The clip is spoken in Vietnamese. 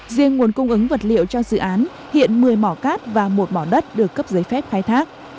riêng nguồn cung ứng vật liệu cho dự án hiện một mươi mỏ cát và một mỏ đất được cấp giấy phép khai thác